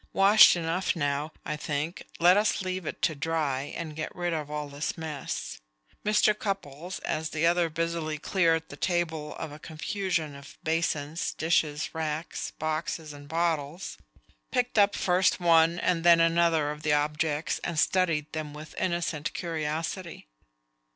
"Washed enough now, I think. Let us leave it to dry, and get rid of all this mess." Mr. Cupples, as the other busily cleared the table of a confusion of basins, dishes, racks, boxes and bottles, picked up first one and then another of the objects and studied them with innocent curiosity.